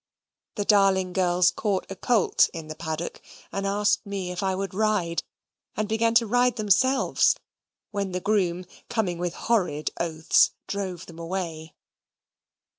The darling girls caught a colt in a paddock, and asked me if I would ride, and began to ride themselves, when the groom, coming with horrid oaths, drove them away.